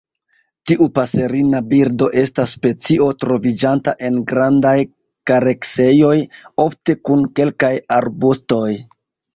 Tiu paserina birdo estas specio troviĝanta en grandaj kareksejoj, ofte kun kelkaj arbustoj.